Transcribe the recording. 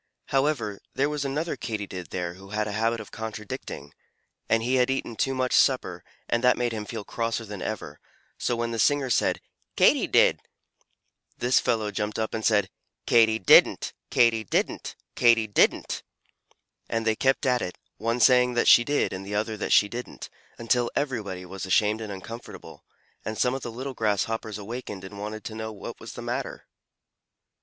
However, there was another Katydid there who had a habit of contradicting, and he had eaten too much supper, and that made him feel crosser than ever; so when the singer said "Katy did!" this cross fellow jumped up and said, "Katy didn't! Katy didn't!! Katy didn't!!!" and they kept at it, one saying that she did and the other that she didn't, until everybody was ashamed and uncomfortable, and some of the little Grasshoppers awakened and wanted to know what was the matter.